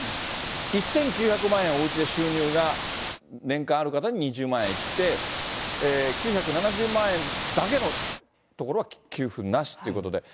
１９００万円おうちで収入が、年間ある方に２０万円いって、９７０万円だけのところは給付なしということで。